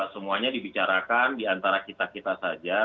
semuanya dibicarakan di antara kita kita saja